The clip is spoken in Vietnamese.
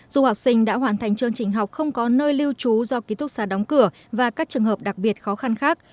du học sinh đã hoàn thành chương trình học không có nơi lưu trú do ký túc xa đóng cửa và các trường hợp đặc biệt khó khăn khác